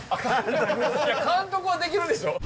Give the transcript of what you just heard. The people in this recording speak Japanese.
監督はできるでしょ！